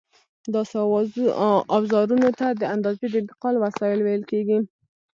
داسې اوزارونو ته د اندازې د انتقال وسایل ویل کېږي.